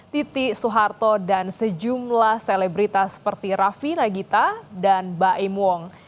titi soeharto dan sejumlah selebritas seperti rafi nagita dan bae muang